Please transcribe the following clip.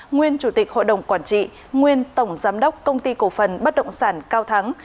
nguyên chủ tịch hội đồng quản trị nguyên tổng giám đốc công ty cổ phần bất động sản cao thắng